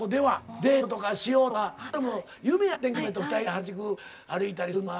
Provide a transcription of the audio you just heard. デートとかしようとか俺も夢やってんけど娘と２人で原宿歩いたりするのが。